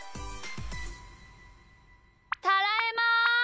ただいま。